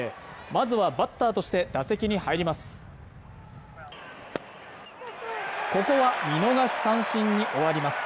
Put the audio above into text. まずはバッターとして打席に入ります